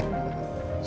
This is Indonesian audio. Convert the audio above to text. oh hai kak